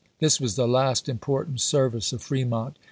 This was the last im portant service of Fremont.